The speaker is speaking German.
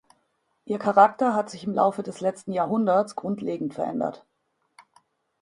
Ihr Charakter hat sich im Laufe des letzten Jahrhunderts grundlegend verändert.